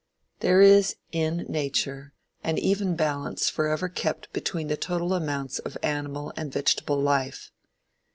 There is, in Nature, an even balance forever kept between the total amounts of animal and vegetable life.